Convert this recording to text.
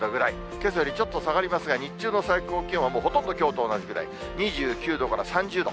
けさよりちょっと下がりますが、日中の最高気温はもうほとんどきょうと同じぐらい、２９度から３０度。